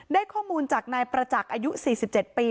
ได้ข้อมูลจากนายประจักษ์อายุ๔๗ปี